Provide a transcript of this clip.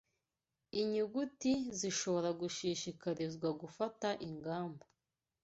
Inyuguti zishobora gushishikarizwa gufata ingamba